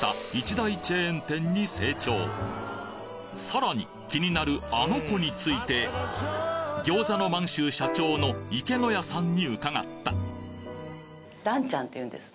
今やさらに気になるあの子についてぎょうざの満洲社長の池野谷さんに伺ったランちゃん？